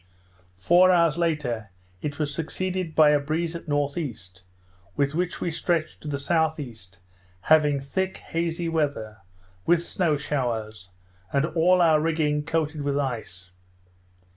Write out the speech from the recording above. Four hours after, it was succeeded by a breeze at N.E. with which we stretched to the S.E., having thick hazy weather, with snow showers, and all our rigging coated with ice.